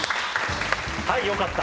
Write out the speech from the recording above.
はいよかった